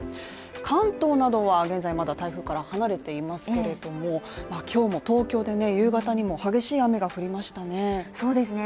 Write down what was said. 関東などは現在まだ台風から離れていますけれども、今日も東京で夕方にも激しい雨が降りましたね。